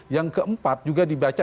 yang keempat juga dibaca